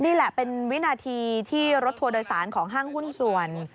นี่แหละเป็นวินาทีที่รถทัวร์โดยสารของห้างหุ้นส่วน